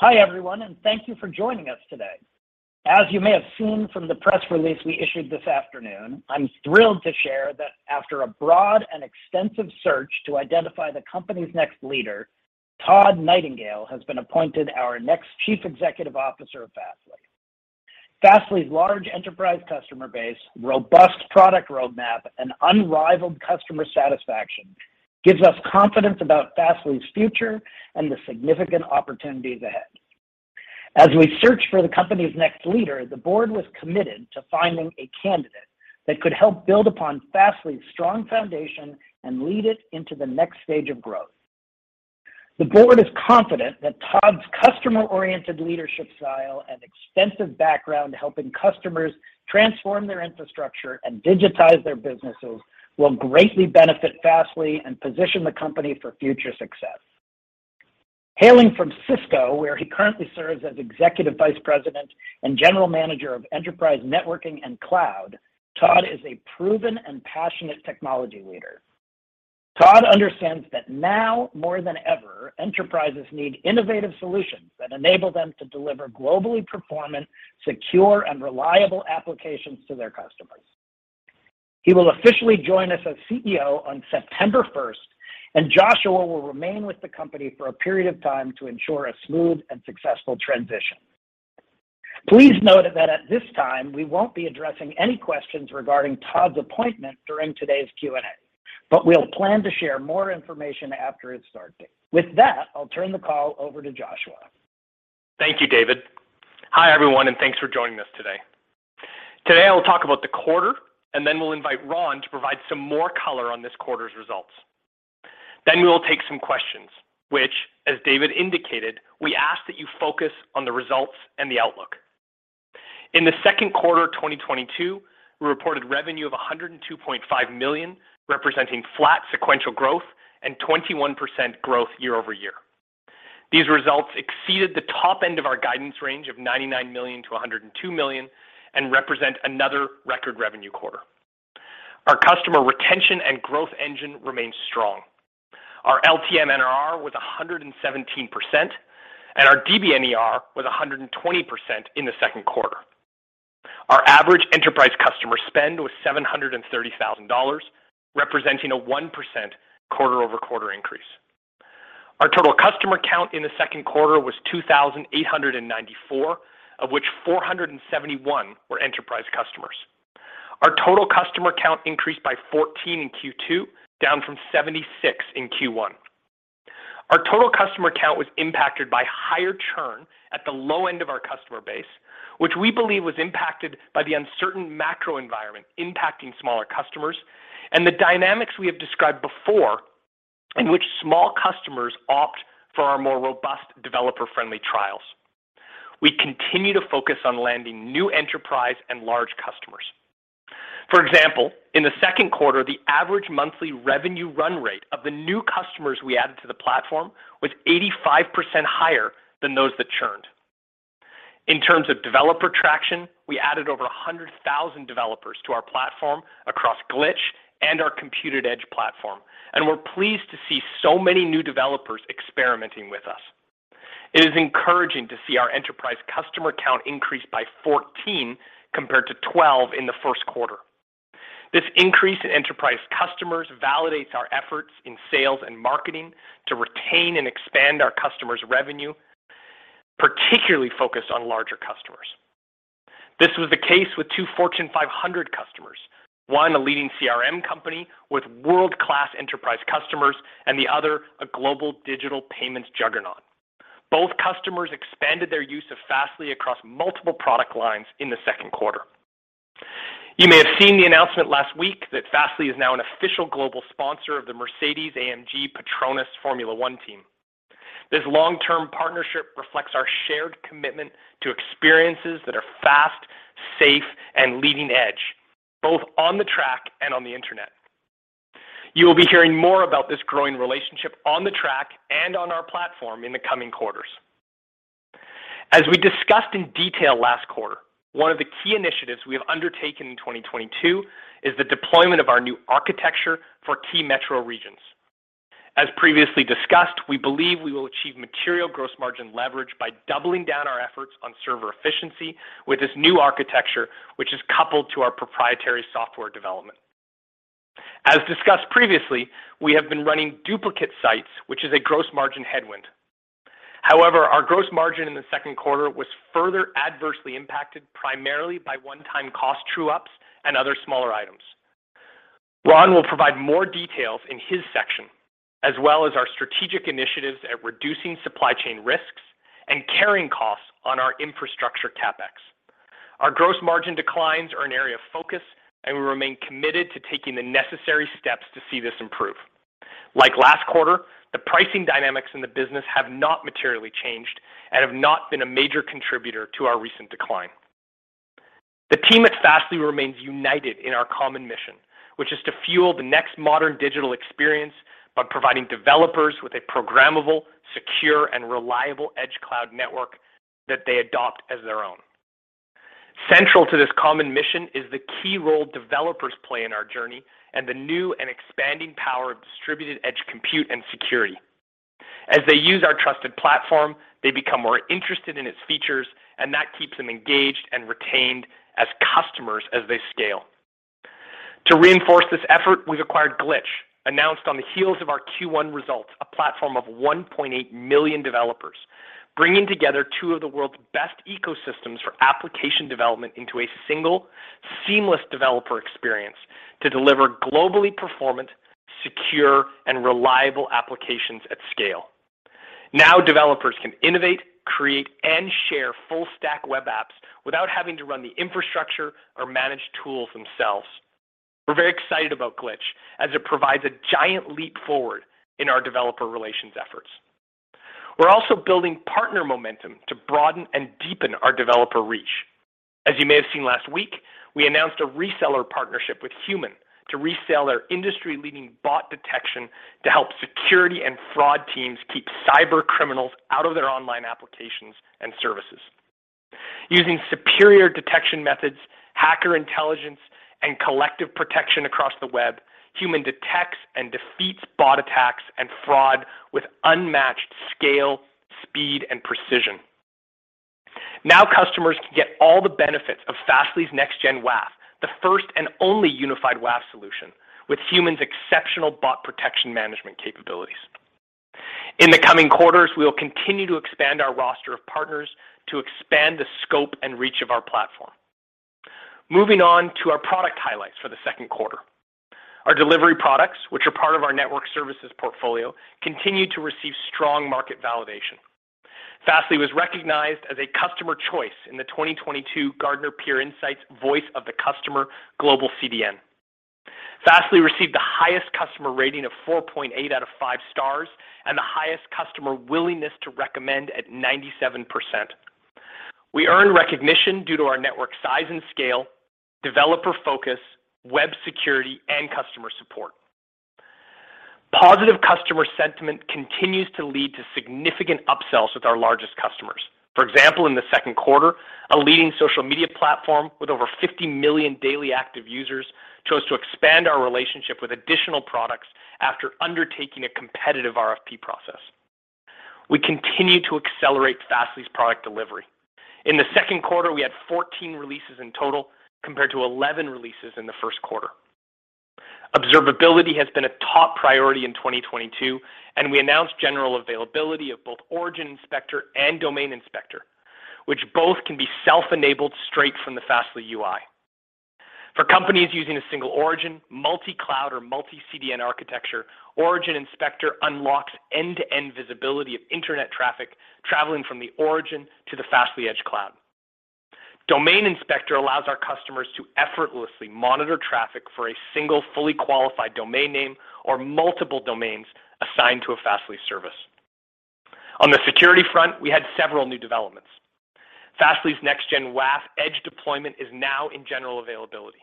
Hi, everyone, and thank you for joining us today. As you may have seen from the press release we issued this afternoon, I'm thrilled to share that after a broad and extensive search to identify the company's next leader, Todd Nightingale has been appointed our next Chief Executive Officer of Fastly. Fastly's large enterprise customer base, robust product roadmap, and unrivaled customer satisfaction gives us confidence about Fastly's future and the significant opportunities ahead. As we search for the company's next leader, the board was committed to finding a candidate that could help build upon Fastly's strong foundation and lead it into the next stage of growth. The board is confident that Todd's customer-oriented leadership style and extensive background helping customers transform their infrastructure and digitize their businesses will greatly benefit Fastly and position the company for future success. Hailing from Cisco, where he currently serves as Executive Vice President and General Manager of Enterprise Networking and Cloud, Todd is a proven and passionate technology leader. Todd understands that now more than ever, enterprises need innovative solutions that enable them to deliver globally performant, secure, and reliable applications to their customers. He will officially join us as CEO on September first, and Joshua will remain with the company for a period of time to ensure a smooth and successful transition. Please note that at this time, we won't be addressing any questions regarding Todd's appointment during today's Q&A, but we'll plan to share more information after his start date. With that, I'll turn the call over to Joshua. Thank you, David. Hi, everyone, and thanks for joining us today. Today, I will talk about the quarter, and then we'll invite Ron to provide some more color on this quarter's results. Then we will take some questions, which, as David indicated, we ask that you focus on the results and the outlook. In the second quarter of 2022, we reported revenue of $102.5 million, representing flat sequential growth and 21% growth year-over-year. These results exceeded the top end of our guidance range of $99 million-$102 million and represent another record revenue quarter. Our customer retention and growth engine remains strong. Our LTM NRR was 117%, and our DBNR was 120% in the second quarter. Our average enterprise customer spend was $730,000, representing a 1% quarter-over-quarter increase. Our total customer count in the second quarter was 2,894, of which 471 were enterprise customers. Our total customer count increased by 14 in Q2, down from 76 in Q1. Our total customer count was impacted by higher churn at the low end of our customer base, which we believe was impacted by the uncertain macro environment impacting smaller customers and the dynamics we have described before in which small customers opt for our more robust developer friendly trials. We continue to focus on landing new enterprise and large customers. For example, in the second quarter, the average monthly revenue run rate of the new customers we added to the platform was 85% higher than those that churned. In terms of developer traction, we added over 100,000 developers to our platform across Glitch and our Compute@Edge platform, and we're pleased to see so many new developers experimenting with us. It is encouraging to see our enterprise customer count increase by 14 compared to 12 in the first quarter. This increase in enterprise customers validates our efforts in sales and marketing to retain and expand our customers' revenue, particularly focused on larger customers. This was the case with two Fortune 500 customers, one a leading CRM company with world-class enterprise customers and the other a global digital payments juggernaut. Both customers expanded their use of Fastly across multiple product lines in the second quarter. You may have seen the announcement last week that Fastly is now an official global sponsor of the Mercedes-AMG Petronas Formula One Team. This long-term partnership reflects our shared commitment to experiences that are fast, safe, and leading edge, both on the track and on the Internet. You will be hearing more about this growing relationship on the track and on our platform in the coming quarters. As we discussed in detail last quarter, one of the key initiatives we have undertaken in 2022 is the deployment of our new architecture for key metro regions. As previously discussed, we believe we will achieve material gross margin leverage by doubling down our efforts on server efficiency with this new architecture, which is coupled to our proprietary software development. As discussed previously, we have been running duplicate sites, which is a gross margin headwind. However, our gross margin in the second quarter was further adversely impacted primarily by one-time cost true-ups and other smaller items. Ron will provide more details in his section, as well as our strategic initiatives at reducing supply chain risks and carrying costs on our infrastructure CapEx. Our gross margin declines are an area of focus, and we remain committed to taking the necessary steps to see this improve. Like last quarter, the pricing dynamics in the business have not materially changed and have not been a major contributor to our recent decline. The team at Fastly remains united in our common mission, which is to fuel the next modern digital experience by providing developers with a programmable, secure, and reliable edge cloud network that they adopt as their own. Central to this common mission is the key role developers play in our journey and the new and expanding power of distributed edge compute and security. As they use our trusted platform, they become more interested in its features, and that keeps them engaged and retained as customers as they scale. To reinforce this effort, we've acquired Glitch, announced on the heels of our Q1 results, a platform of 1.8 million developers, bringing together two of the world's best ecosystems for application development into a single, seamless developer experience to deliver globally performant, secure, and reliable applications at scale. Now, developers can innovate, create, and share full stack web apps without having to run the infrastructure or manage tools themselves. We're very excited about Glitch as it provides a giant leap forward in our developer relations efforts. We're also building partner momentum to broaden and deepen our developer reach. As you may have seen last week, we announced a reseller partnership with HUMAN to resell their industry-leading bot detection to help security and fraud teams keep cybercriminals out of their online applications and services. Using superior detection methods, hacker intelligence, and collective protection across the web, HUMAN detects and defeats bot attacks and fraud with unmatched scale, speed, and precision. Now, customers can get all the benefits of Fastly's next-gen WAF, the first and only unified WAF solution with HUMAN's exceptional bot protection management capabilities. In the coming quarters, we will continue to expand our roster of partners to expand the scope and reach of our platform. Moving on to our product highlights for the second quarter. Our delivery products, which are part of our network services portfolio, continue to receive strong market validation. Fastly was recognized as a customer choice in the 2022 Gartner Peer Insights Voice of the Customer Global CDN. Fastly received the highest customer rating of 4.8 out of 5 stars and the highest customer willingness to recommend at 97%. We earned recognition due to our network size and scale, developer focus, web security, and customer support. Positive customer sentiment continues to lead to significant upsells with our largest customers. For example, in the second quarter, a leading social media platform with over 50 million daily active users chose to expand our relationship with additional products after undertaking a competitive RFP process. We continue to accelerate Fastly's product delivery. In the second quarter, we had 14 releases in total, compared to 11 releases in the first quarter. Observability has been a top priority in 2022, and we announced general availability of both Origin Inspector and Domain Inspector, which both can be self-enabled straight from the Fastly UI. For companies using a single origin, multi-cloud, or multi-CDN architecture, Origin Inspector unlocks end-to-end visibility of internet traffic traveling from the origin to the Fastly edge cloud. Domain Inspector allows our customers to effortlessly monitor traffic for a single fully qualified domain name or multiple domains assigned to a Fastly service. On the security front, we had several new developments. Fastly's Next-Gen WAF edge deployment is now in general availability.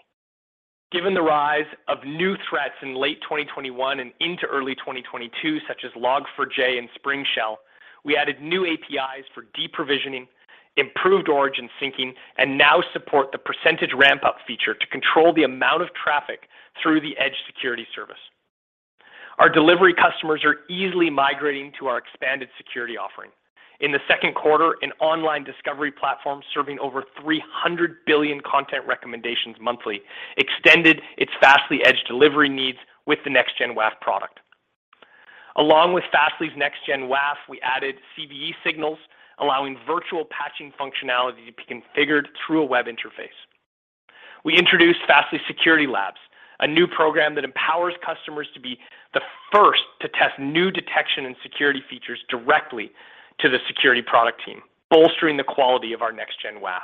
Given the rise of new threats in late 2021 and into early 2022, such as Log4j and Spring4Shell, we added new APIs for deprovisioning, improved origin syncing, and now support the percentage ramp-up feature to control the amount of traffic through the edge security service. Our delivery customers are easily migrating to our expanded security offering. In the second quarter, an online discovery platform serving over 300 billion content recommendations monthly extended its Fastly edge delivery needs with the Next-Gen WAF product. Along with Fastly's Next-Gen WAF, we added CVE signals, allowing virtual patching functionality to be configured through a web interface. We introduced Fastly Security Labs, a new program that empowers customers to be the first to test new detection and security features directly to the security product team, bolstering the quality of our Next-Gen WAF.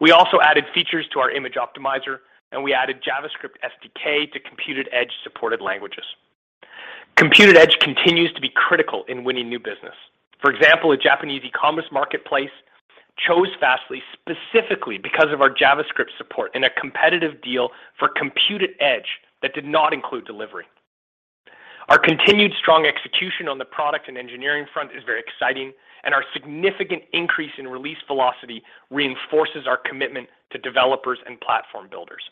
We also added features to our Image Optimizer, and we added JavaScript SDK to Compute@Edge supported languages. Compute@Edge continues to be critical in winning new business. For example, a Japanese e-commerce marketplace chose Fastly specifically because of our JavaScript support in a competitive deal for Compute@Edge that did not include delivery. Our continued strong execution on the product and engineering front is very exciting, and our significant increase in release velocity reinforces our commitment to developers and platform builders.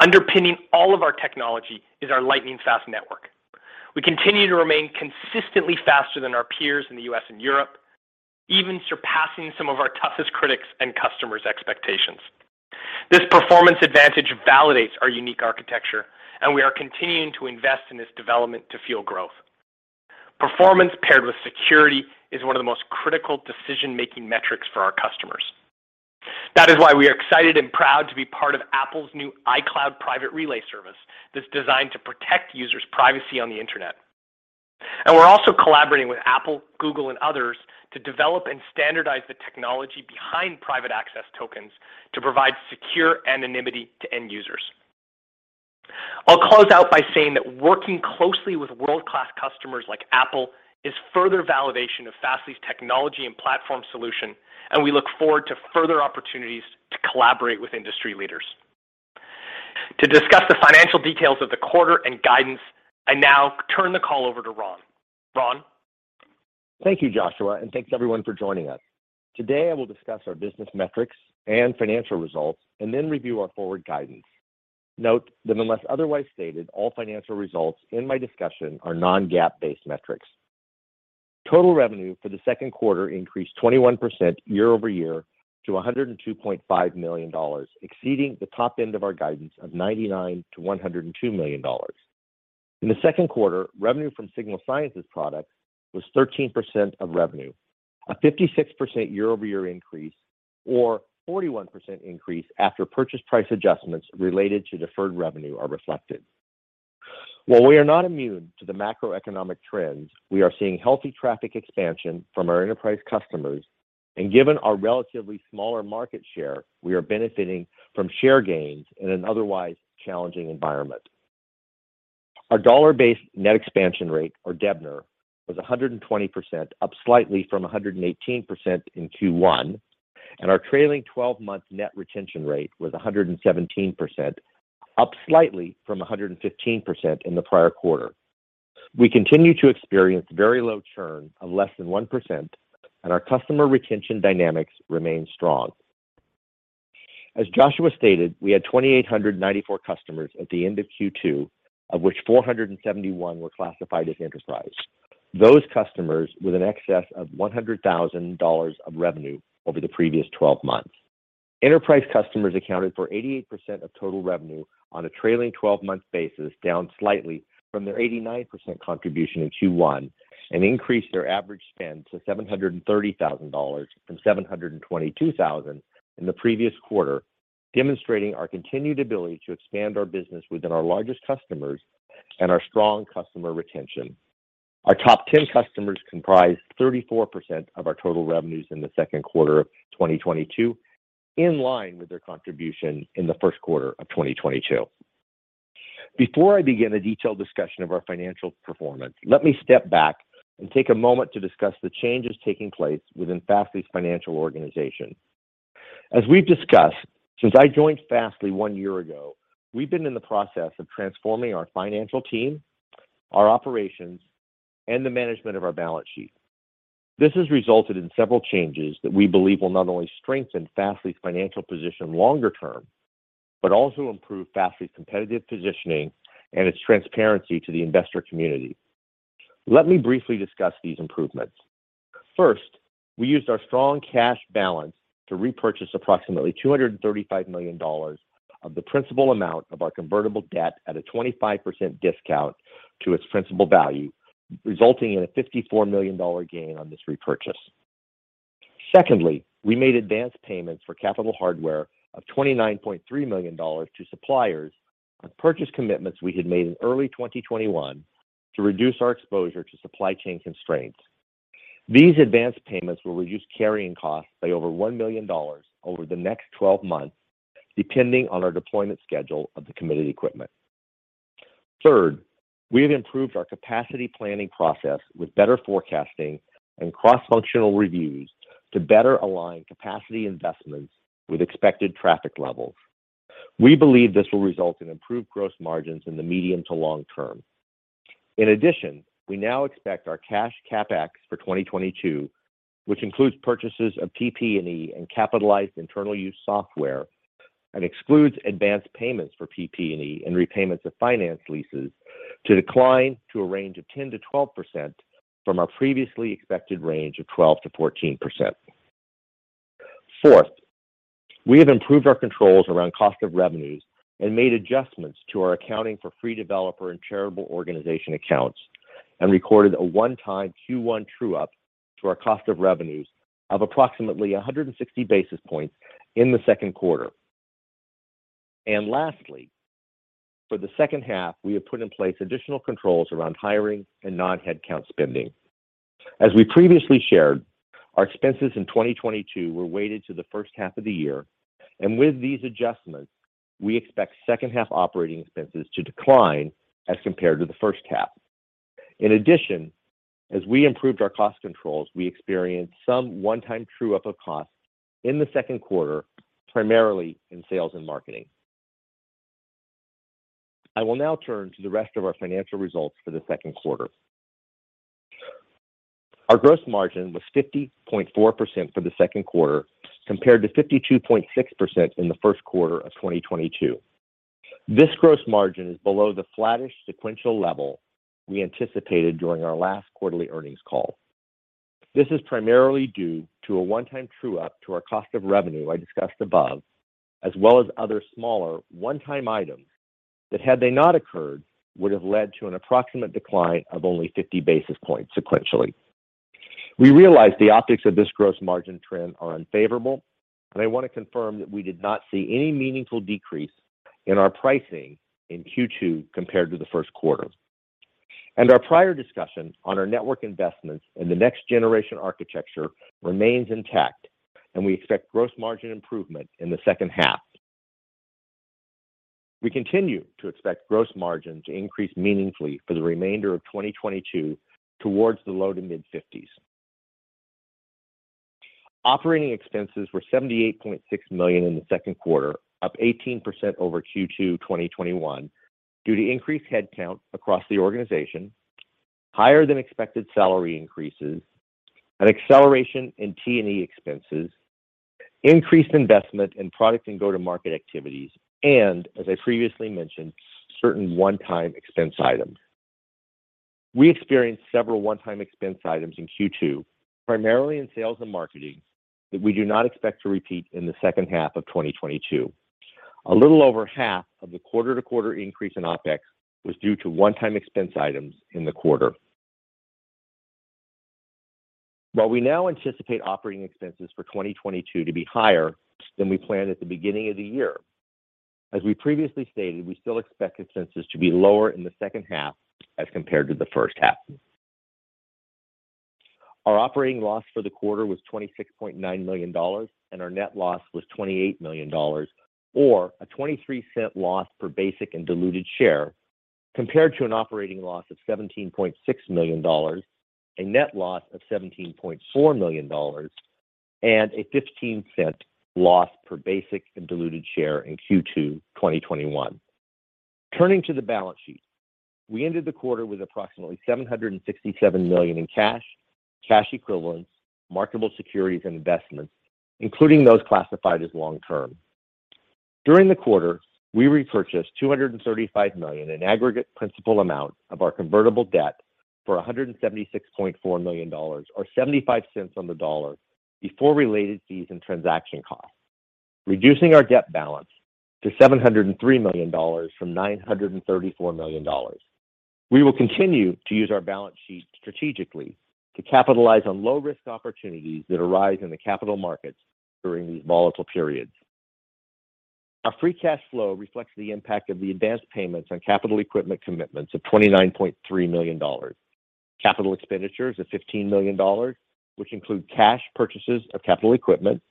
Underpinning all of our technology is our lightning-fast network. We continue to remain consistently faster than our peers in the U.S. and Europe, even surpassing some of our toughest critics and customers' expectations. This performance advantage validates our unique architecture, and we are continuing to invest in this development to fuel growth. Performance paired with security is one of the most critical decision-making metrics for our customers. That is why we are excited and proud to be part of Apple's new iCloud Private Relay service that's designed to protect users' privacy on the internet. We're also collaborating with Apple, Google, and others to develop and standardize the technology behind Private Access Tokens to provide secure anonymity to end users. I'll close out by saying that working closely with world-class customers like Apple is further validation of Fastly's technology and platform solution, and we look forward to further opportunities to collaborate with industry leaders. To discuss the financial details of the quarter and guidance, I now turn the call over to Ron. Ron? Thank you, Joshua, and thanks everyone for joining us. Today, I will discuss our business metrics and financial results and then review our forward guidance. Note that unless otherwise stated, all financial results in my discussion are non-GAAP based metrics. Total revenue for the second quarter increased 21% year-over-year to $102.5 million, exceeding the top end of our guidance of $99-$102 million. In the second quarter, revenue from Signal Sciences products was 13% of revenue, a 56% year-over-year increase, or 41% increase after purchase price adjustments related to deferred revenue are reflected. While we are not immune to the macroeconomic trends, we are seeing healthy traffic expansion from our enterprise customers, and given our relatively smaller market share, we are benefiting from share gains in an otherwise challenging environment. Our dollar-based net expansion rate, or DBNER, was 100%, up slightly from 118% in Q1, and our trailing twelve-month net retention rate was 117%, up slightly from 115% in the prior quarter. We continue to experience very low churn of less than 1%, and our customer retention dynamics remain strong. As Joshua stated, we had 2,894 customers at the end of Q2, of which 471 were classified as enterprise. Those customers with an excess of $100,000 of revenue over the previous twelve months. Enterprise customers accounted for 88% of total revenue on a trailing twelve-month basis, down slightly from their 89% contribution in Q1, and increased their average spend to $730,000 from $722,000 in the previous quarter, demonstrating our continued ability to expand our business within our largest customers and our strong customer retention. Our top 10 customers comprised 34% of our total revenues in the second quarter of 2022, in line with their contribution in the first quarter of 2022. Before I begin a detailed discussion of our financial performance, let me step back and take a moment to discuss the changes taking place within Fastly's financial organization. As we've discussed, since I joined Fastly one year ago, we've been in the process of transforming our financial team, our operations, and the management of our balance sheet. This has resulted in several changes that we believe will not only strengthen Fastly's financial position longer term, but also improve Fastly's competitive positioning and its transparency to the investor community. Let me briefly discuss these improvements. First, we used our strong cash balance to repurchase approximately $235 million of the principal amount of our convertible debt at a 25% discount to its principal value, resulting in a $54 million gain on this repurchase. Secondly, we made advance payments for capital hardware of $29.3 million to suppliers on purchase commitments we had made in early 2021 to reduce our exposure to supply chain constraints. These advance payments will reduce carrying costs by over $1 million over the next 12 months, depending on our deployment schedule of the committed equipment. Third, we have improved our capacity planning process with better forecasting and cross-functional reviews to better align capacity investments with expected traffic levels. We believe this will result in improved gross margins in the medium to long term. In addition, we now expect our cash CapEx for 2022, which includes purchases of PP&E and capitalized internal use software and excludes advance payments for PP&E and repayments of finance leases, to decline to a range of 10%-12% from our previously expected range of 12%-14%. Fourth, we have improved our controls around cost of revenues and made adjustments to our accounting for free developer and charitable organization accounts and recorded a one-time Q1 true-up to our cost of revenues of approximately 160 basis points in the second quarter. Lastly, for the second half, we have put in place additional controls around hiring and non-headcount spending. As we previously shared, our expenses in 2022 were weighted to the first half of the year, and with these adjustments, we expect second half operating expenses to decline as compared to the first half. In addition, as we improved our cost controls, we experienced some one-time true-up of costs in the second quarter, primarily in sales and marketing. I will now turn to the rest of our financial results for the second quarter. Our gross margin was 50.4% for the second quarter compared to 52.6% in the first quarter of 2022. This gross margin is below the flattish sequential level we anticipated during our last quarterly earnings call. This is primarily due to a one-time true-up to our cost of revenue I discussed above as well as other smaller one-time items that had they not occurred would have led to an approximate decline of only 50 basis points sequentially. We realize the optics of this gross margin trend are unfavorable, and I want to confirm that we did not see any meaningful decrease in our pricing in Q2 compared to the first quarter. Our prior discussion on our network investments in the next generation architecture remains intact, and we expect gross margin improvement in the second half. We continue to expect gross margin to increase meaningfully for the remainder of 2022 towards the low- to mid-50s. Operating expenses were $78.6 million in the second quarter, up 18% over Q2 2021 due to increased headcount across the organization, higher than expected salary increases, an acceleration in T&E expenses, increased investment in product and go-to-market activities, and as I previously mentioned, certain one-time expense items. We experienced several one-time expense items in Q2, primarily in sales and marketing, that we do not expect to repeat in the second half of 2022. A little over half of the quarter-to-quarter increase in OpEx was due to one-time expense items in the quarter. While we now anticipate operating expenses for 2022 to be higher than we planned at the beginning of the year, as we previously stated, we still expect expenses to be lower in the second half as compared to the first half. Our operating loss for the quarter was $26.9 million, and our net loss was $28 million or a $0.23 loss per basic and diluted share, compared to an operating loss of $17.6 million, a net loss of $17.4 million, and a $0.15 loss per basic and diluted share in Q2 2021. Turning to the balance sheet, we ended the quarter with approximately $767 million in cash equivalents, marketable securities and investments, including those classified as long-term. During the quarter, we repurchased $235 million in aggregate principal amount of our convertible debt for $176.4 million or $0.75 on the dollar before related fees and transaction costs, reducing our debt balance to $703 million from $934 million. We will continue to use our balance sheet strategically to capitalize on low risk opportunities that arise in the capital markets during these volatile periods. Our free cash flow reflects the impact of the advanced payments on capital equipment commitments of $29.3 million. Capital expenditures of $15 million, which include cash purchases of capital equipment,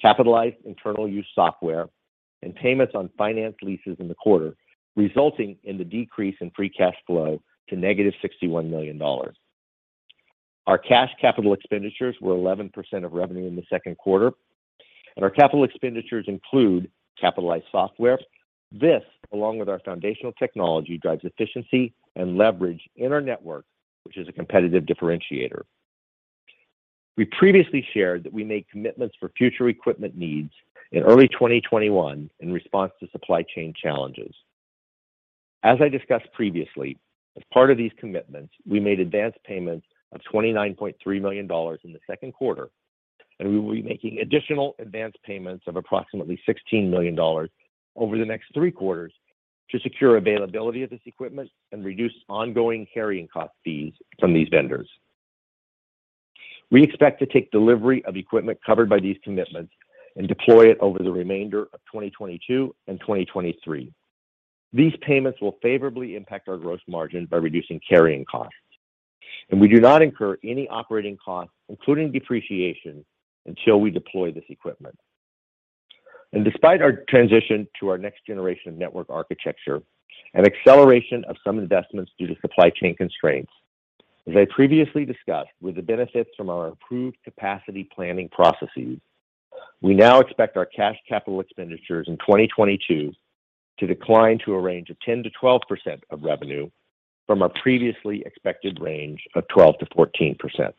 capitalized internal use software, and payments on finance leases in the quarter, resulting in the decrease in free cash flow to negative $61 million. Our cash capital expenditures were 11% of revenue in the second quarter, and our capital expenditures include capitalized software. This, along with our foundational technology, drives efficiency and leverage in our network, which is a competitive differentiator. We previously shared that we made commitments for future equipment needs in early 2021 in response to supply chain challenges. As I discussed previously, as part of these commitments, we made advanced payments of $29.3 million in the second quarter, and we will be making additional advanced payments of approximately $16 million over the next three quarters to secure availability of this equipment and reduce ongoing carrying cost fees from these vendors. We expect to take delivery of equipment covered by these commitments and deploy it over the remainder of 2022 and 2023. These payments will favorably impact our gross margin by reducing carrying costs, and we do not incur any operating costs, including depreciation, until we deploy this equipment. Despite our transition to our next generation network architecture and acceleration of some investments due to supply chain constraints, as I previously discussed with the benefits from our improved capacity planning processes, we now expect our cash capital expenditures in 2022 to decline to a range of 10%-12% of revenue from our previously expected range of 12%-14%.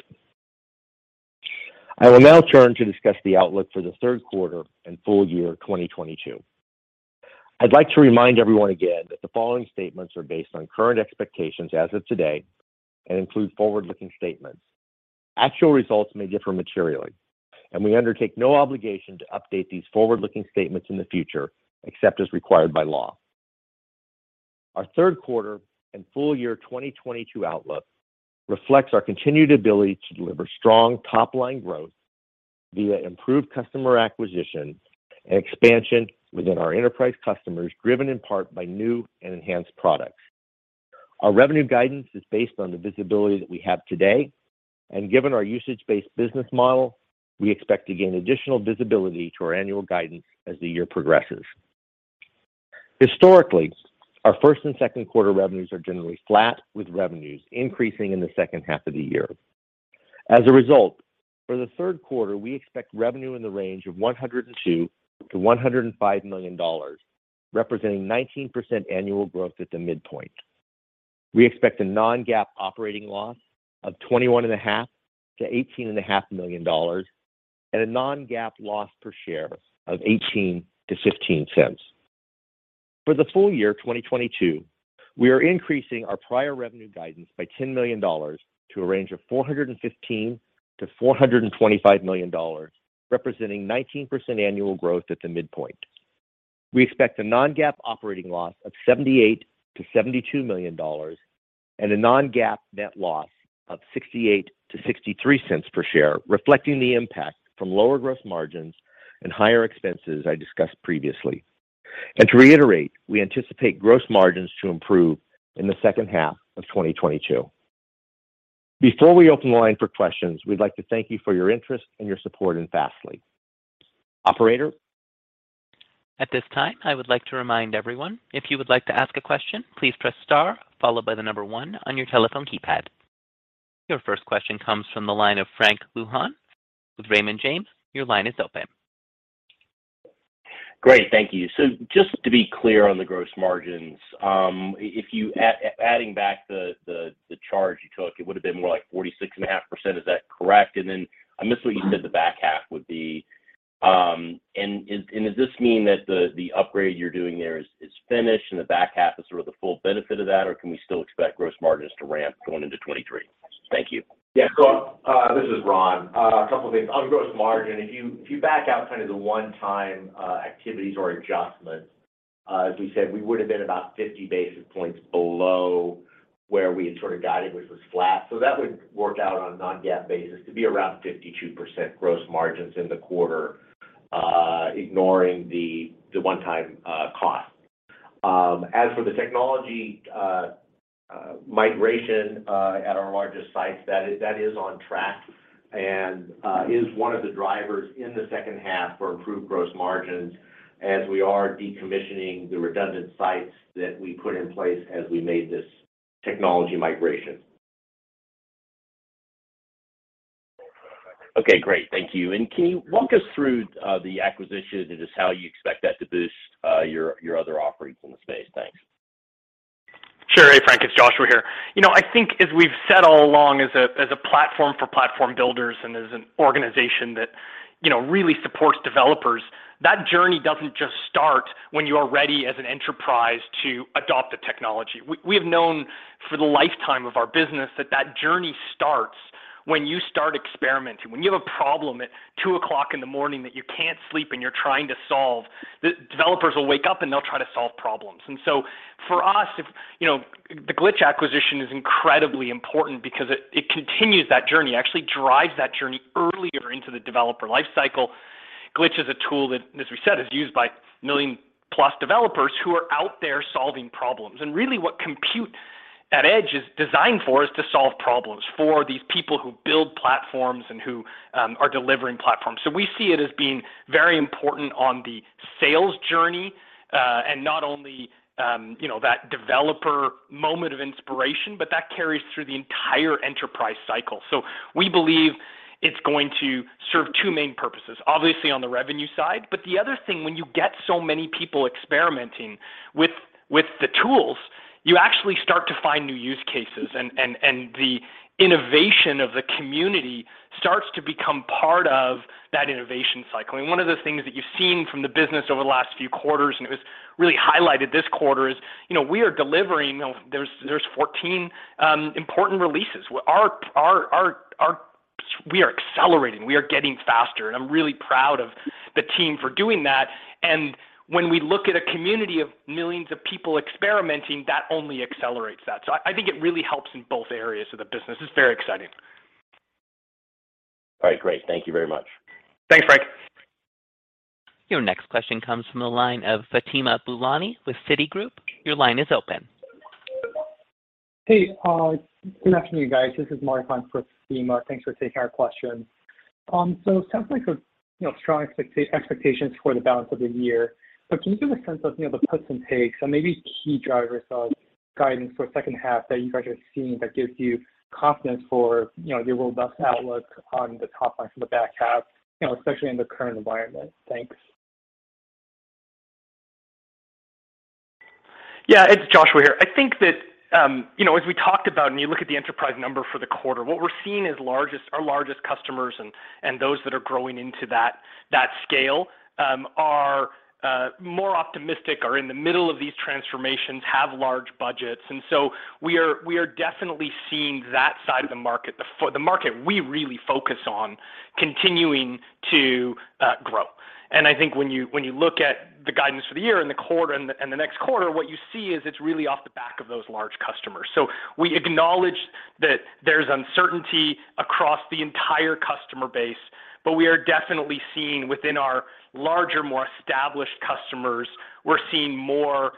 I will now turn to discuss the outlook for the third quarter and full year 2022. I'd like to remind everyone again that the following statements are based on current expectations as of today and include forward-looking statements. Actual results may differ materially, and we undertake no obligation to update these forward-looking statements in the future, except as required by law. Our third quarter and full year 2022 outlook reflects our continued ability to deliver strong top-line growth via improved customer acquisition and expansion within our enterprise customers, driven in part by new and enhanced products. Our revenue guidance is based on the visibility that we have today, and given our usage-based business model, we expect to gain additional visibility to our annual guidance as the year progresses. Historically, our first and second quarter revenues are generally flat, with revenues increasing in the second half of the year. As a result, for the third quarter, we expect revenue in the range of $102 million-$105 million, representing 19% annual growth at the midpoint. We expect a non-GAAP operating loss of $21 and a half-$18 and a half million, and a non-GAAP loss per share of $0.18-$0.15. For the full year 2022, we are increasing our prior revenue guidance by $10 million to a range of $415-$425 million, representing 19% annual growth at the midpoint. We expect a non-GAAP operating loss of $78-$72 million and a non-GAAP net loss of $0.68-$0.63 per share, reflecting the impact from lower gross margins and higher expenses I discussed previously. To reiterate, we anticipate gross margins to improve in the second half of 2022. Before we open the line for questions, we'd like to thank you for your interest and your support in Fastly. Operator? At this time, I would like to remind everyone, if you would like to ask a question, please press star followed by the number one on your telephone keypad. Your first question comes from the line of Frank Louthan with Raymond James. Your line is open. Great. Thank you. Just to be clear on the gross margins, if you are adding back the charge you took, it would have been more like 46.5%. Is that correct? I missed what you said the back half would be. Does this mean that the upgrade you're doing there is finished and the back half is sort of the full benefit of that, or can we still expect gross margins to ramp going into 2023? Thank you. Yeah, this is Ron. A couple of things. On gross margin, if you back out kind of the one-time activities or adjustments, as we said, we would have been about 50 basis points below where we had sort of guided, which was flat. That would work out on a non-GAAP basis to be around 52% gross margins in the quarter, ignoring the one-time cost. As for the technology migration at our largest sites, that is on track and is one of the drivers in the second half for improved gross margins as we are decommissioning the redundant sites that we put in place as we made this technology migration. Okay, great. Thank you. Can you walk us through the acquisition and just how you expect that to boost your other offerings in the space? Thanks. Sure. Hey, Frank, it's Joshua here. You know, I think as we've said all along as a platform for platform builders and as an organization that, you know, really supports developers, that journey doesn't just start when you are ready as an enterprise to adopt the technology. We have known for the lifetime of our business that journey starts when you start experimenting. When you have a problem at two o'clock in the morning that you can't sleep and you're trying to solve, the developers will wake up, and they'll try to solve problems. For us, you know, the Glitch acquisition is incredibly important because it continues that journey. Actually drives that journey earlier into the developer life cycle. Glitch is a tool that, as we said, is used by million-plus developers who are out there solving problems. Really what Compute@Edge is designed for is to solve problems for these people who build platforms and who are delivering platforms. We see it as being very important on the sales journey, and not only, you know, that developer moment of inspiration, but that carries through the entire enterprise cycle. We believe it's going to serve two main purposes, obviously on the revenue side. The other thing, when you get so many people experimenting with the tools, you actually start to find new use cases, and the innovation of the community starts to become part of that innovation cycle. One of the things that you've seen from the business over the last few quarters, and it was really highlighted this quarter, is, you know, we are delivering, you know, there's 14 important releases. We are accelerating, we are getting faster, and I'm really proud of the team for doing that. When we look at a community of millions of people experimenting, that only accelerates that. I think it really helps in both areas of the business. It's very exciting. All right. Great. Thank you very much. Thanks, Frank. Your next question comes from the line of Fatima Boolani with Citigroup. Your line is open. Hey, good afternoon, guys. This is [Marton] for Fatima. Thanks for taking our question. It sounds like, you know, strong expectations for the balance of the year. Can you give a sense of, you know, the puts and takes and maybe key drivers of guidance for second half that you guys are seeing that gives you confidence for, you know, your robust outlook on the top line for the back half, you know, especially in the current environment? Thanks. Yeah. It's Joshua here. I think that, you know, as we talked about, and you look at the enterprise number for the quarter, what we're seeing is our largest customers and those that are growing into that scale are more optimistic, are in the middle of these transformations, have large budgets. We are definitely seeing that side of the market, the market we really focus on continuing to grow. I think when you look at the guidance for the year and the quarter and the next quarter, what you see is it's really off the back of those large customers. We acknowledge that there's uncertainty across the entire customer base, but we are definitely seeing within our larger, more established customers, we're seeing more,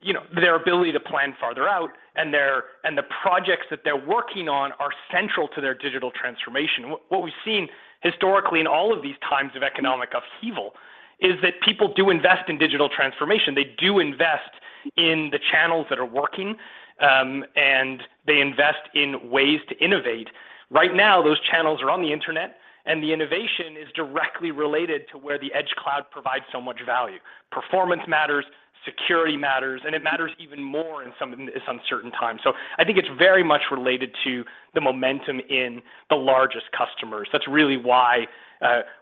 you know, their ability to plan farther out, and the projects that they're working on are central to their digital transformation. What we've seen historically in all of these times of economic upheaval is that people do invest in digital transformation. They do invest in the channels that are working, and they invest in ways to innovate. Right now, those channels are on the Internet, and the innovation is directly related to where the Edge cloud provides so much value. Performance matters, security matters, and it matters even more in some of these uncertain times. I think it's very much related to the momentum in the largest customers. That's really why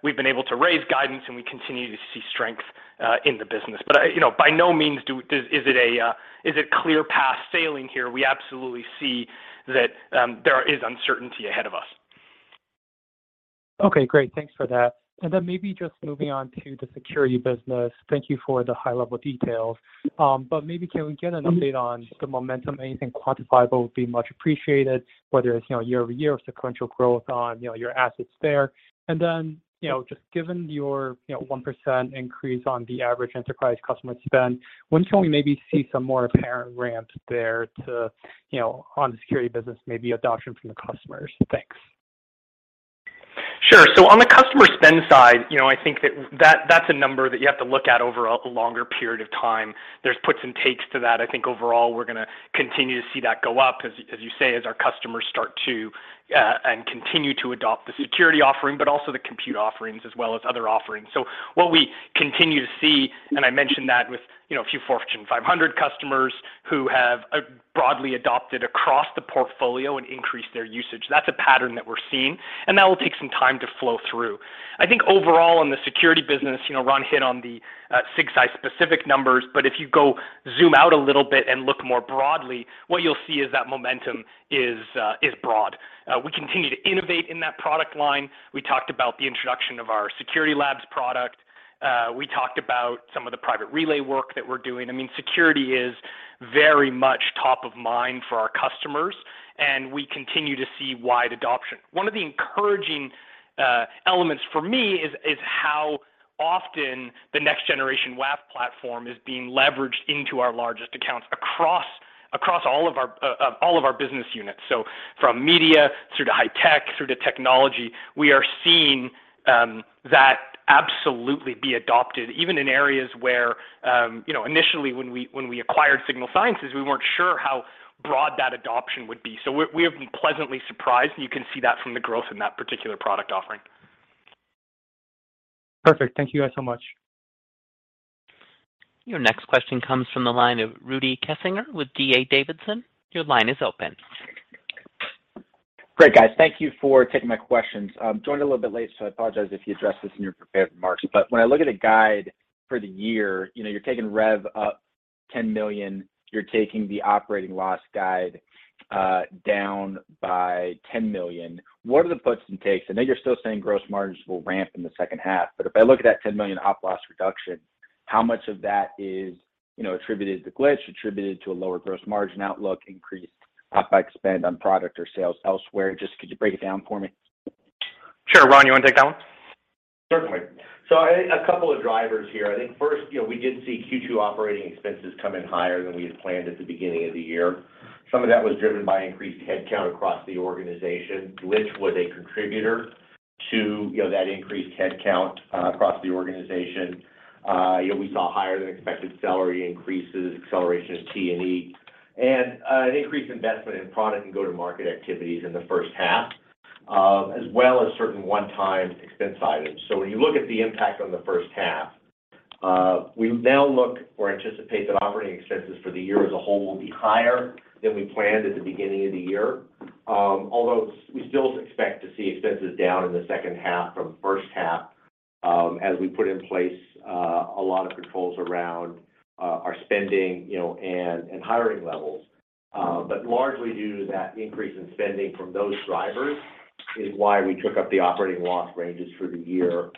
we've been able to raise guidance, and we continue to see strength in the business. You know, by no means is it clear sailing here. We absolutely see that there is uncertainty ahead of us. Okay, great. Thanks for that. Maybe just moving on to the security business. Thank you for the high-level details. Maybe can we get an update on the momentum? Anything quantifiable would be much appreciated, whether it's, you know, year-over-year or sequential growth on, you know, your assets there. You know, just given your, you know, 1% increase on the average enterprise customer spend, when can we maybe see some more apparent ramp there to, you know, on the security business, maybe adoption from the customers? Thanks. Sure. On the customer spend side, you know, I think that's a number that you have to look at over a longer period of time. There's puts and takes to that. I think overall, we're gonna continue to see that go up as you say, as our customers start to and continue to adopt the security offering, but also the compute offerings as well as other offerings. What we continue to see, and I mentioned that with, you know, a few Fortune 500 customers who have broadly adopted across the portfolio and increased their usage. That's a pattern that we're seeing, and that will take some time to flow through. I think overall in the security business, you know, Ron hit on the SigSci specific numbers, but if you go zoom out a little bit and look more broadly, what you'll see is that momentum is broad. We continue to innovate in that product line. We talked about the introduction of our Security Labs product. We talked about some of the Private Relay work that we're doing. I mean, security is very much top of mind for our customers, and we continue to see wide adoption. One of the encouraging elements for me is how often the Next-Gen WAF platform is being leveraged into our largest accounts across all of our business units. From media through to high tech through to technology, we are seeing that absolutely be adopted, even in areas where, you know, initially when we acquired Signal Sciences, we weren't sure how broad that adoption would be. We have been pleasantly surprised, and you can see that from the growth in that particular product offering. Perfect. Thank you guys so much. Your next question comes from the line of Rudy Kessinger with D.A. Davidson. Your line is open. Great, guys. Thank you for taking my questions. I'm joined a little bit late, so I apologize if you addressed this in your prepared remarks. When I look at a guide for the year, you know, you're taking rev up $10 million, you're taking the operating loss guide down by $10 million. What are the puts and takes? I know you're still saying gross margins will ramp in the second half, but if I look at that $10 million op loss reduction, how much of that is, you know, attributed to Glitch, attributed to a lower gross margin outlook, increased OpEx spend on product or sales elsewhere? Just could you break it down for me? Sure. Ron, you wanna take that one? Certainly. A couple of drivers here. I think first, you know, we did see Q2 operating expenses come in higher than we had planned at the beginning of the year. Some of that was driven by increased headcount across the organization. Glitch was a contributor to, you know, that increased headcount across the organization. You know, we saw higher than expected salary increases, acceleration of T&E, and an increased investment in product and go-to-market activities in the first half, as well as certain one-time expense items. When you look at the impact on the first half, we now look to anticipate that operating expenses for the year as a whole will be higher than we planned at the beginning of the year, although we still expect to see expenses down in the second half from first half, as we put in place a lot of controls around our spending, you know, and hiring levels. Largely due to that increase in spending from those drivers is why we took up the operating loss ranges for the year,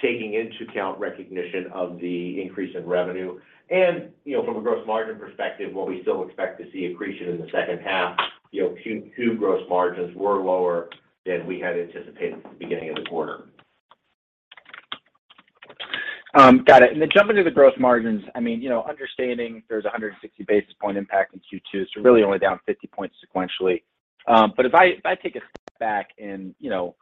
taking into account recognition of the increase in revenue. You know, from a gross margin perspective, while we still expect to see accretion in the second half, you know, Q2 gross margins were lower than we had anticipated at the beginning of the quarter. Got it. Then jumping to the gross margins, I mean, you know, understanding there's a 160 basis point impact in Q2, so really only down 50 points sequentially. But if I take a step back and, you know,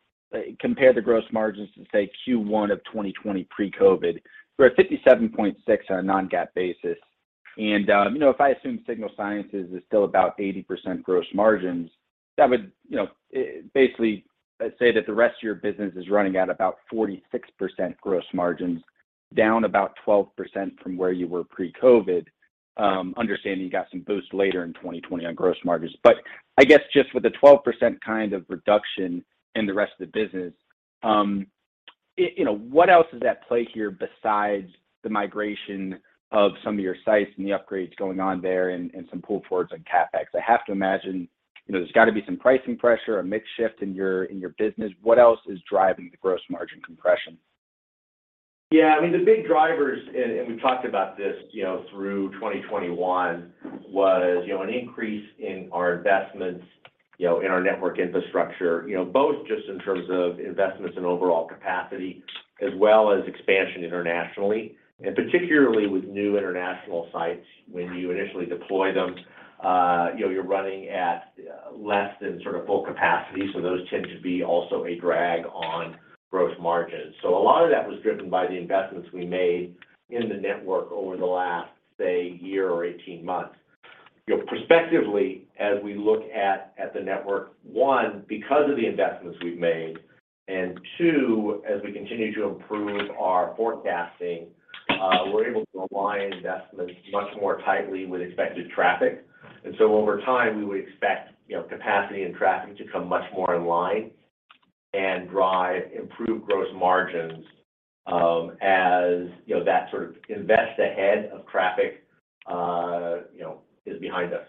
compare the gross margins to, say, Q1 of 2020 pre-COVID, we're at 57.6 on a non-GAAP basis. You know, if I assume Signal Sciences is still about 80% gross margins, that would, you know, basically say that the rest of your business is running at about 46% gross margins, down about 12% from where you were pre-COVID. Understanding you got some boosts later in 2020 on gross margins. I guess just with the 12% kind of reduction in the rest of the business, you know, what else is at play here besides the migration of some of your sites and the upgrades going on there and some pull forwards on CapEx? I have to imagine, you know, there's got to be some pricing pressure, a mix shift in your business. What else is driving the gross margin compression? Yeah. I mean, the big drivers, we've talked about this, you know, through 2021, was, you know, an increase in our investments, you know, in our network infrastructure, you know, both just in terms of investments in overall capacity as well as expansion internationally. Particularly with new international sites, when you initially deploy them, you know, you're running at less than sort of full capacity. Those tend to be also a drag on gross margins. A lot of that was driven by the investments we made in the network over the last, say, year or 18 months. You know, prospectively, as we look at the network, one, because of the investments we've made, and two, as we continue to improve our forecasting, we're able to align investments much more tightly with expected traffic. Over time, we would expect, you know, capacity and traffic to come much more in line and drive improved gross margins, as, you know, that sort of invest ahead of traffic, you know, is behind us.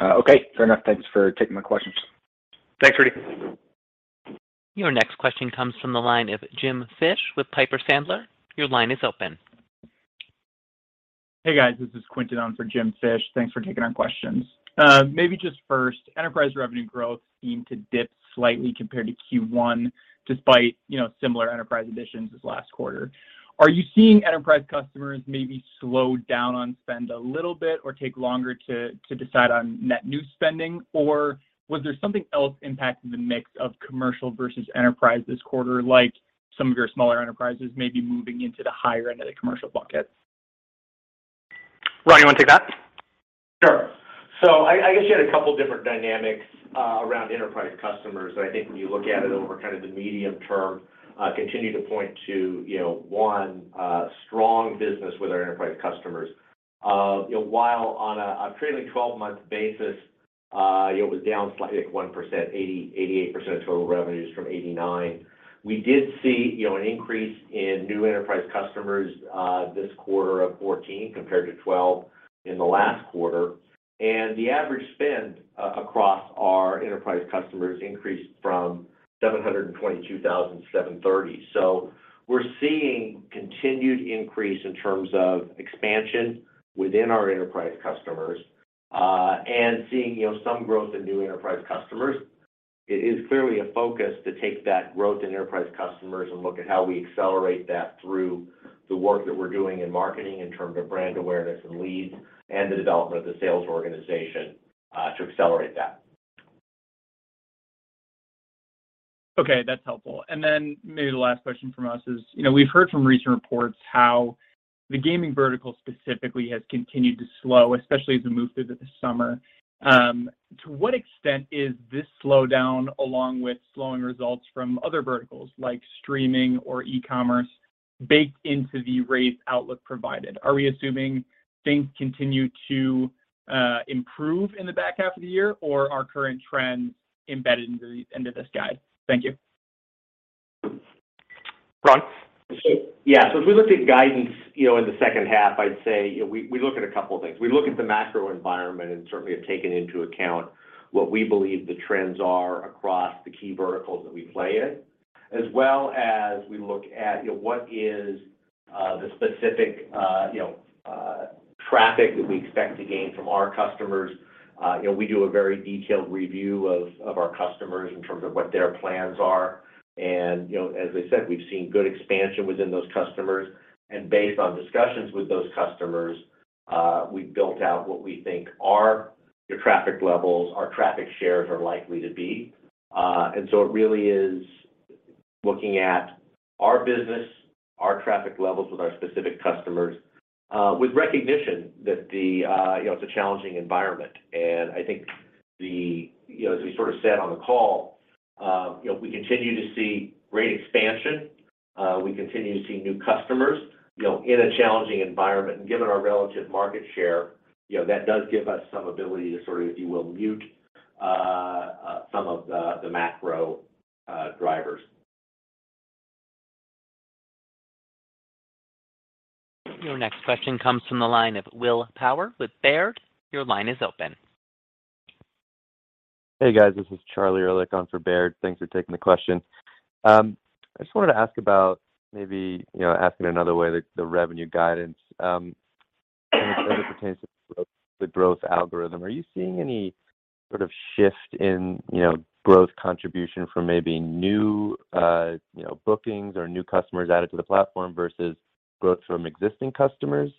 Okay. Fair enough. Thanks for taking my questions. Thanks, Rudy. Your next question comes from the line of James Fish with Piper Sandler. Your line is open. Hey, guys, this is Quinton on for Jim Fish. Thanks for taking our questions. Maybe just first, enterprise revenue growth seemed to dip slightly compared to Q1 despite, you know, similar enterprise additions this last quarter. Are you seeing enterprise customers maybe slow down on spend a little bit or take longer to decide on net new spendin, or was there something else impacting the mix of commercial versus enterprise this quarter, like some of your smaller enterprises may be moving into the higher end of the commercial bucket? Ron, you wanna take that? Sure. I guess you had a couple different dynamics around enterprise customers that I think when you look at it over kind of the medium term continue to point to, you know, one strong business with our enterprise customers. You know, while on a trailing 12-month basis, you know, it was down slightly at 1%, 88% of total revenues from 89%. We did see, you know, an increase in new enterprise customers this quarter of 14 compared to 12 in the last quarter. The average spend across our enterprise customers increased from $722,000 to $730,000. We're seeing continued increase in terms of expansion within our enterprise customers and seeing, you know, some growth in new enterprise customers. It is clearly a focus to take that growth in enterprise customers and look at how we accelerate that through the work that we're doing in marketing in terms of brand awareness and leads and the development of the sales organization, to accelerate that. Okay, that's helpful. Maybe the last question from us is, you know, we've heard from recent reports how the gaming vertical specifically has continued to slow, especially as we move through the summer. To what extent is this slowdown, along with slowing results from other verticals like streaming or e-commerce, baked into the rate outlook provided? Are we assuming things continue to improve in the back half of the year, or are current trends embedded into this guide? Thank you. Ron? Yeah. If we looked at guidance, you know, in the second half, I'd say, you know, we look at a couple of things. We look at the macro environment and certainly have taken into account what we believe the trends are across the key verticals that we play in, as well as we look at, you know, what is the specific traffic that we expect to gain from our customers. You know, we do a very detailed review of our customers in terms of what their plans are. You know, as I said, we've seen good expansion within those customers. Based on discussions with those customers, we've built out what we think our traffic levels, our traffic shares are likely to be. It really is looking at our business, our traffic levels with our specific customers, with recognition that you know, it's a challenging environment. I think you know, as we sort of said on the call, you know, we continue to see great expansion. We continue to see new customers, you know, in a challenging environment. Given our relative market share, you know, that does give us some ability to sort of, if you will, mute some of the macro drivers. Your next question comes from the line of William Power with Baird. Your line is open. Hey, guys. This is Charlie Erlikh on for Baird. Thanks for taking the question. I just wanted to ask about maybe, you know, asking another way, the revenue guidance, as it pertains to the growth algorithm. Are you seeing any sort of shift in, you know, growth contribution from maybe new, you know, bookings or new customers added to the platform versus growth from existing customers,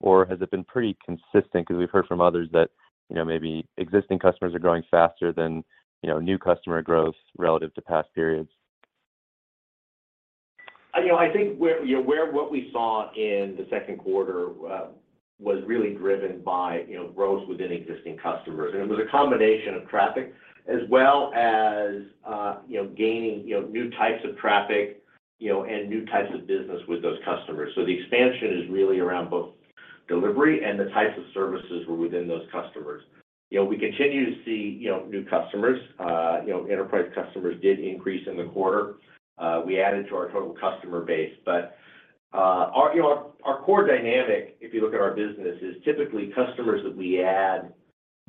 or has it been pretty consistent? Because we've heard from others that, you know, maybe existing customers are growing faster than, you know, new customer growth relative to past periods. You know, I think what we saw in the second quarter was really driven by growth within existing customers. It was a combination of traffic as well as gaining new types of traffic and new types of business with those customers. The expansion is really around both delivery and the types of services within those customers. You know, we continue to see new customers. Enterprise customers did increase in the quarter, we added to our total customer base. Our core dynamic, if you look at our business, is typically customers that we add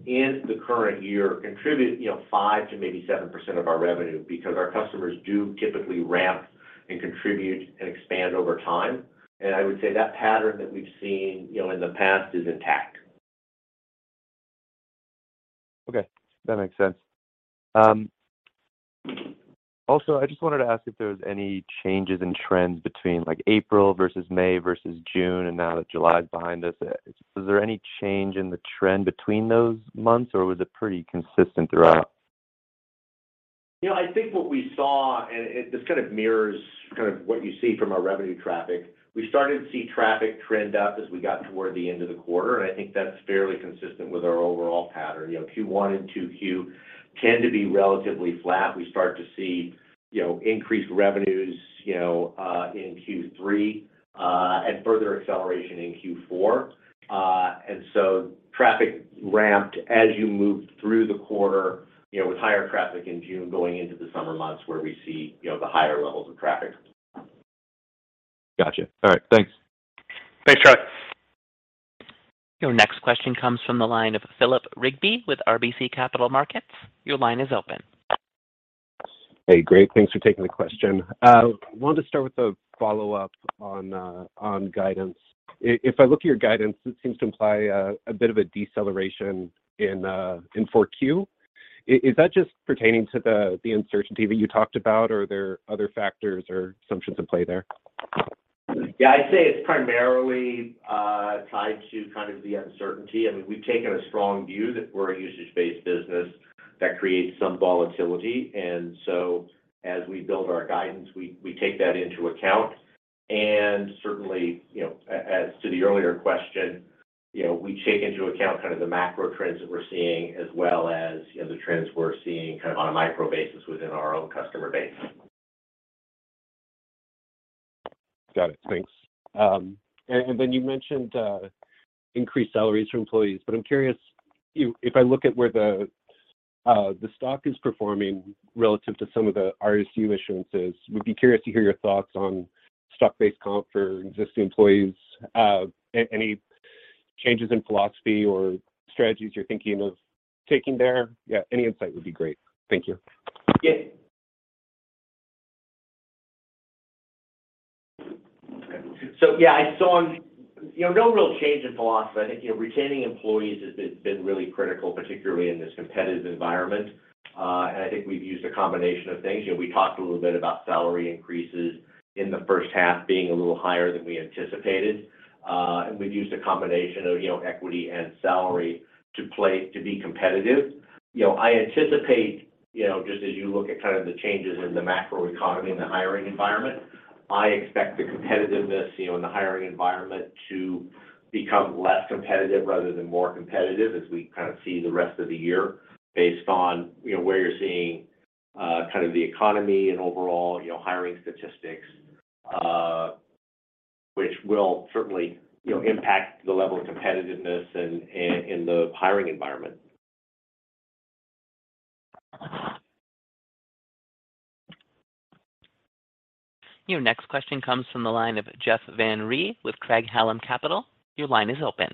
in the current year contribute 5% to maybe 7% of our revenue because our customers do typically ramp and contribute and expand over time. I would say that pattern that we've seen, you know, in the past is intact. Okay. That makes sense. Also, I just wanted to ask if there was any changes in trends between, like, April versus May versus June, and now that July is behind us. Is there any change in the trend between those months, or was it pretty consistent throughout? You know, I think what we saw, and this kind of mirrors kind of what you see from our revenue traffic, we started to see traffic trend up as we got toward the end of the quarter, and I think that's fairly consistent with our overall pattern. You know, Q1 and Q2 tend to be relatively flat. We start to see, you know, increased revenues, you know, in Q3, and further acceleration in Q4. Traffic ramped as you moved through the quarter, you know, with higher traffic in June going into the summer months where we see, you know, the higher levels of traffic. Gotcha. All right. Thanks. Thanks, Charlie. Your next question comes from the line of Philip Rigby with RBC Capital Markets. Your line is open. Hey, great. Thanks for taking the question. Wanted to start with a follow-up on guidance. If I look at your guidance, it seems to imply a bit of a deceleration in 4Q. Is that just pertaining to the uncertainty that you talked about, or are there other factors or assumptions in play there? Yeah, I'd say it's primarily tied to kind of the uncertainty. I mean, we've taken a strong view that we're a usage-based business that creates some volatility. As we build our guidance, we take that into account. Certainly, you know, as to the earlier question, you know, we take into account kind of the macro trends that we're seeing as well as, you know, the trends we're seeing kind of on a micro basis within our own customer base. Got it. Thanks. You mentioned increased salaries for employees, but I'm curious if I look at where the stock is performing relative to some of the RSU issuances. Would be curious to hear your thoughts on stock-based comp for existing employees. Any changes in philosophy or strategies you're thinking of taking there? Yeah. Any insight would be great. Thank you. Yeah. You know, no real change in philosophy. I think, you know, retaining employees has been really critical, particularly in this competitive environment. I think we've used a combination of things. You know, we talked a little bit about salary increases in the first half being a little higher than we anticipated. We've used a combination of, you know, equity and salary to be competitive. You know, I anticipate, you know, just as you look at kind of the changes in the macroeconomy and the hiring environment, I expect the competitiveness, you know, in the hiring environment to become less competitive rather than more competitive as we kind of see the rest of the year based on, you know, where you're seeing, kind of the economy and overall, you know, hiring statistics, which will certainly, you know, impact the level of competitiveness in the hiring environment. Your next question comes from the line of Jeff Van Rhee with Craig-Hallum Capital. Your line is open.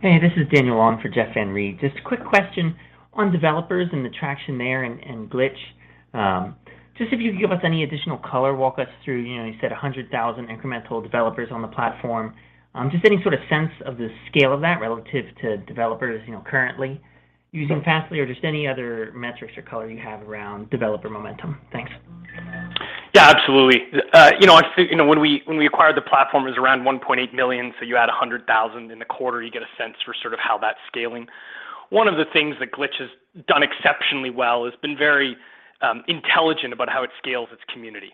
Hey, this is Daniel Wong for Jeff Van Rhee. Just a quick question on developers and the traction there and Glitch. Just if you could give us any additional color, walk us through, you know, you said 100,000 incremental developers on the platform. Just any sort of sense of the scale of that relative to developers, you know, currently using Fastly or just any other metrics or color you have around developer momentum. Thanks. Yeah, absolutely. You know, I think, you know, when we acquired the platform, it was around 1.8 million, so you add 100,000 in the quarter, you get a sense for sort of how that's scaling. One of the things that Glitch has done exceptionally well has been very intelligent about how it scales its community.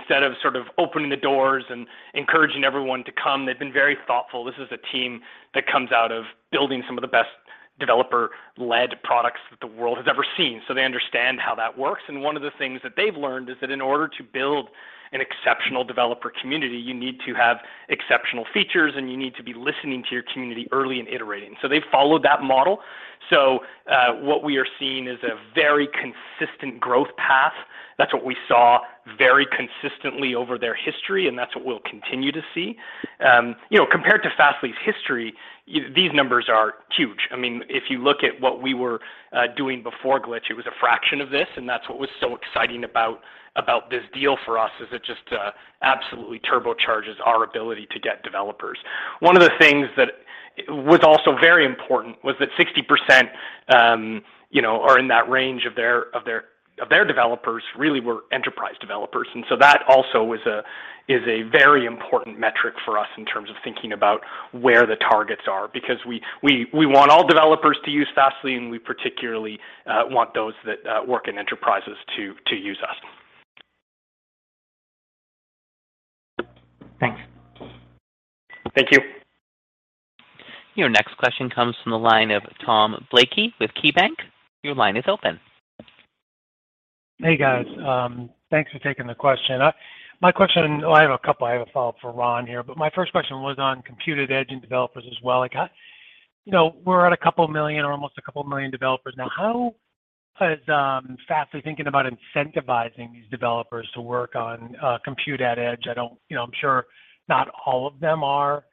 Instead of sort of opening the doors and encouraging everyone to come, they've been very thoughtful. This is a team that comes out of building some of the best developer-led products that the world has ever seen, so they understand how that works. One of the things that they've learned is that in order to build an exceptional developer community, you need to have exceptional features, and you need to be listening to your community early and iterating. They've followed that model. What we are seeing is a very consistent growth path. That's what we saw very consistently over their history, and that's what we'll continue to see. You know, compared to Fastly's history, these numbers are huge. I mean, if you look at what we were doing before Glitch, it was a fraction of this, and that's what was so exciting about this deal for us, is it just absolutely turbocharges our ability to get developers. One of the things that was also very important was that 60%, you know, or in that range of their developers really were enterprise developers. That also is a very important metric for us in terms of thinking about where the targets are because we want all developers to use Fastly, and we particularly want those that work in enterprises to use us. Thanks. Thank you. Your next question comes from the line of Tom Blakey with KeyBank. Your line is open. Hey, guys. Thanks for taking the question. Oh, I have a couple. I have a follow-up for Ron here. My first question was on Compute@Edge and developers as well. Like, you know, we're at a couple million or almost a couple million developers now. How is Fastly thinking about incentivizing these developers to work on Compute@Edge? You know, I'm sure not all of them are,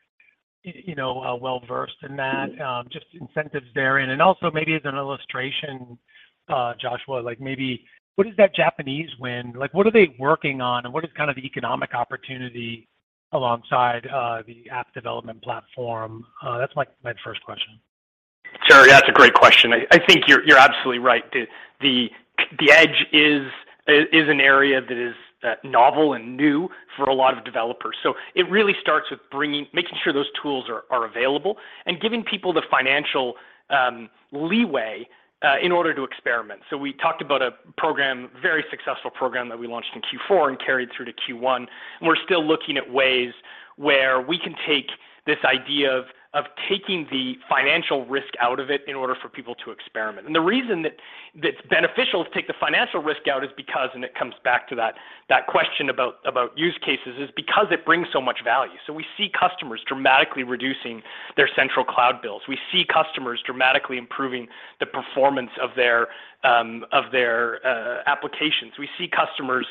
you know, well-versed in that. Just incentives there. Also, maybe as an illustration, Joshua, like, maybe what is that Japanese win? Like, what are they working on, and what is kind of the economic opportunity alongside the app development platform? That's my first question. Sure. That's a great question. I think you're absolutely right. The edge is an area that is novel and new for a lot of developers. It really starts with making sure those tools are available and giving people the financial leeway in order to experiment. We talked about a program, very successful program that we launched in Q4 and carried through to Q1. We're still looking at ways where we can take this idea of taking the financial risk out of it in order for people to experiment. The reason that that's beneficial to take the financial risk out is because it comes back to that question about use cases, because it brings so much value. We see customers dramatically reducing their central cloud bills. We see customers dramatically improving the performance of their applications. We see customers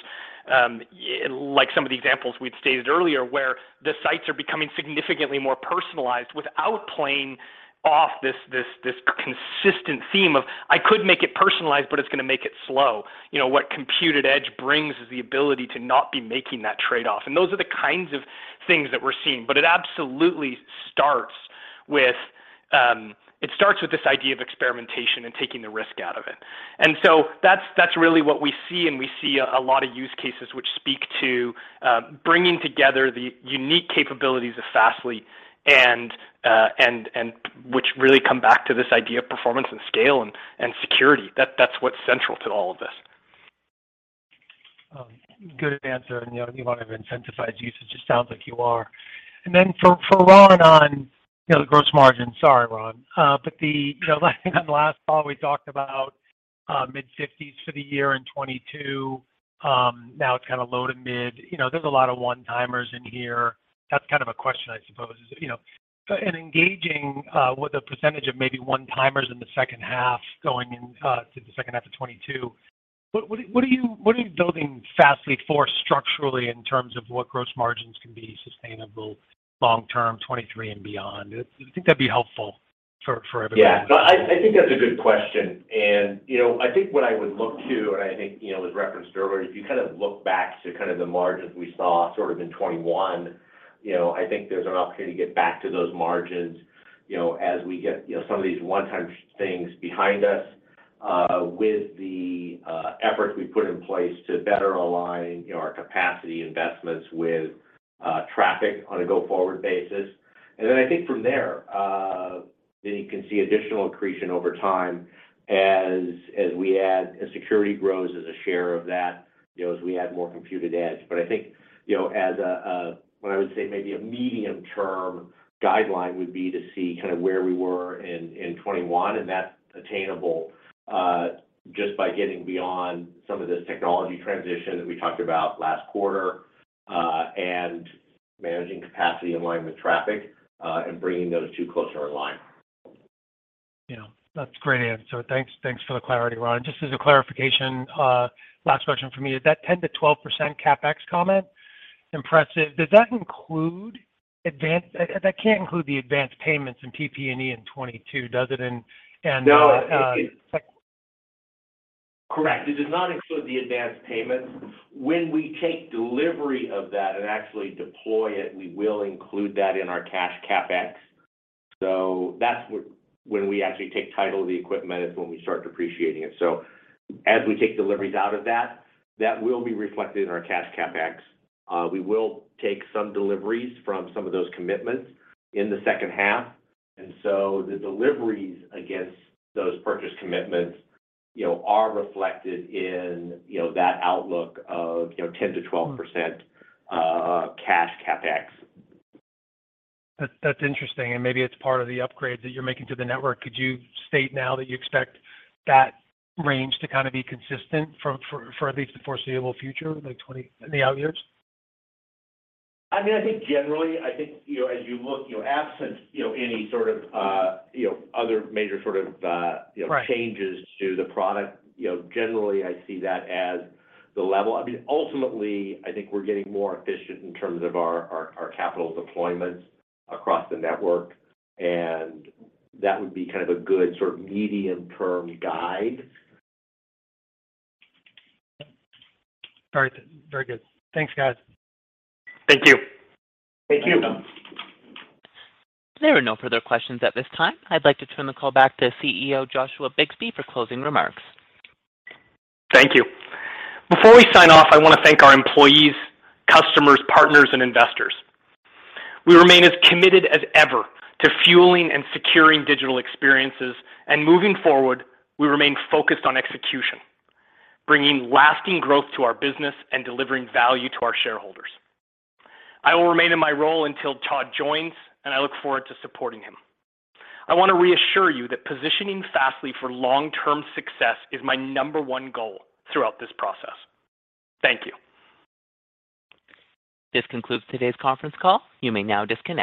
like some of the examples we'd stated earlier, where the sites are becoming significantly more personalized without playing off this consistent theme of, "I could make it personalized, but it's gonna make it slow." You know, what Compute@Edge brings is the ability to not be making that trade-off. Those are the kinds of things that we're seeing. It absolutely starts with this idea of experimentation and taking the risk out of it. That's really what we see, and we see a lot of use cases which speak to bringing together the unique capabilities of Fastly and which really come back to this idea of performance and scale and security. That's what's central to all of this. Good answer. You know, if you want to incentivize usage, it sounds like you are. Then for Ron on, you know, the gross margin. Sorry, Ron. You know, on the last call, we talked about mid-50s for the year in 2022. Now it's kind of low- to mid-50s. You know, there's a lot of one-timers in here. That's kind of a question, I suppose, you know. In engaging with a percentage of maybe one-timers in the second half, going in to the second half of 2022, what are you building Fastly for structurally in terms of what gross margins can be sustainable long term 2023 and beyond? I think that'd be helpful for everyone. Yeah. No, I think that's a good question. You know, I think what I would look to, and I think, you know, it was referenced earlier, if you kind of look back to kind of the margins we saw sort of in 2021, you know, I think there's an opportunity to get back to those margins, you know, as we get, you know, some of these one-time things behind us, with the efforts we put in place to better align, you know, our capacity investments with traffic on a go-forward basis. Then I think from there, then you can see additional accretion over time as we add, as security grows as a share of that, you know, as we add more Compute@Edge. I think, you know, as a what I would say maybe a medium-term guideline would be to see kind of where we were in 2021, and that's attainable, just by getting beyond some of this technology transition that we talked about last quarter, and managing capacity in line with traffic, and bringing those two closer in line. Yeah. That's a great answer. Thanks for the clarity, Ron. Just as a clarification, last question from me. That 10%-12% CapEx comment, impressive. That can't include the advanced payments in PP&E in 2022, does it? Correct. It does not include the advanced payments. When we take delivery of that and actually deploy it, we will include that in our cash CapEx. When we actually take title of the equipment is when we start depreciating it. As we take deliveries out of that will be reflected in our cash CapEx. We will take some deliveries from some of those commitments in the second half. The deliveries against those purchase commitments, you know, are reflected in, you know, that outlook of, you know, 10%-12% cash CapEx. That's interesting, and maybe it's part of the upgrades that you're making to the network. Could you state now that you expect that range to kind of be consistent for at least the foreseeable future, in the out years? I mean, I think generally, I think, you know, as you look, you know, absent, you know, any sort of, you know, other major sort of- Right. -changes to the product, you know, generally I see that as the level. I mean, ultimately, I think we're getting more efficient in terms of our capital deployments across the network, and that would be kind of a good sort of medium-term guide. All right. Very good. Thanks, guys. Thank you. Thank you. Thanks. There are no further questions at this time. I'd like to turn the call back to CEO Joshua Bixby for closing remarks. Thank you. Before we sign off, I want to thank our employees, customers, partners, and investors. We remain as committed as ever to fueling and securing digital experiences, and moving forward, we remain focused on execution, bringing lasting growth to our business and delivering value to our shareholders. I will remain in my role until Todd joins, and I look forward to supporting him. I want to reassure you that positioning Fastly for long-term success is my number one goal throughout this process. Thank you. This concludes today's conference call. You may now disconnect.